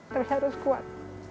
terus harus kuat